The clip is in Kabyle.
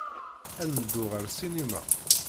Ad neddu ɣer ssinima.